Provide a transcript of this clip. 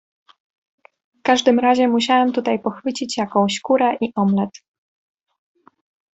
"W każdym razie musiałem tutaj pochwycić jaką kurę i omlet."